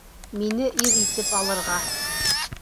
Мине ир итеп алырға.